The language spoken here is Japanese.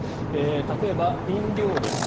例えば飲料です。